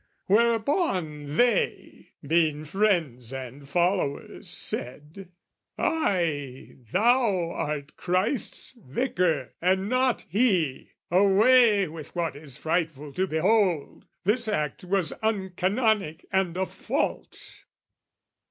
"Whereupon they, being friends and followers, "Said 'Ay, thou art Christ's Vicar, and not he! "'A way with what is frightful to behold! "'This act was uncanonic and a fault.'